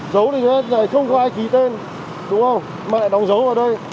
dấu thì không có ai ký tên đúng không mà lại đóng dấu ở đây